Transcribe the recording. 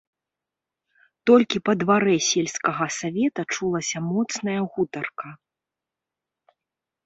Толькi па дварэ сельскага савета чулася моцная гутарка...